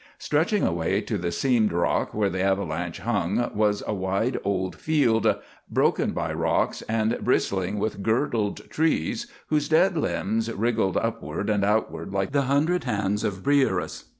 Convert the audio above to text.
Stretching away to the seamed rock where the avalanche hung was a wide old field, broken by rocks and bristling with girdled trees, whose dead limbs wriggled upward and outward like the hundred hands of Briareus.